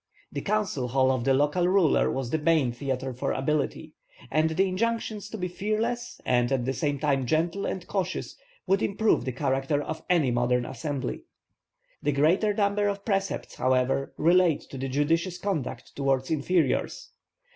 The council hall of the local ruler was the main theatre for ability; and the injunctions to be fearless, and at the same time gentle and cautious, would improve the character of any modern assembly. The greater number of precepts however relate to the judicious conduct toward inferiors.